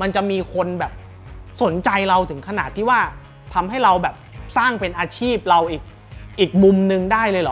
มันจะมีคนแบบสนใจเราถึงขนาดที่ว่าทำให้เราแบบสร้างเป็นอาชีพเราอีกมุมนึงได้เลยเหรอ